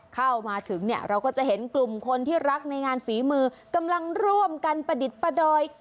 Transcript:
เข้ามาถึงเนี่ยเราก็จะเห็นกลุ่มคนที่รักในงานฝีมือกำลังร่วมกันประดิษฐ์ประดอย